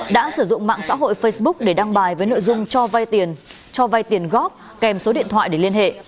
đã sử dụng mạng xã hội facebook để đăng bài với nội dung cho vay tiền cho vay tiền góp kèm số điện thoại để liên hệ